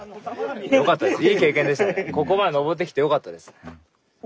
ここまで登ってきてよかったですね。